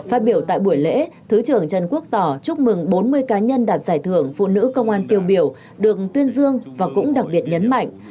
phát biểu tại buổi lễ thứ trưởng trần quốc tỏ chúc mừng bốn mươi cá nhân đạt giải thưởng phụ nữ công an tiêu biểu được tuyên dương và cũng đặc biệt nhấn mạnh